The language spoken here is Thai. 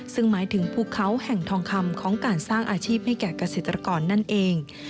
ซึ่งหมายถึงภูเขาแห่งทองคำของการสร้างอาชีพให้แก่เกษตรกรนั่นเอง